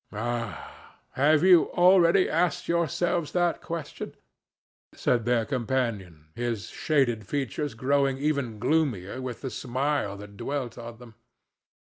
"Ah! have you already asked yourselves that question?" said their companion, his shaded features growing even gloomier with the smile that dwelt on them.